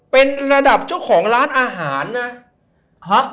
เป็นระดับเจ้าของร้านอาหารนะครับ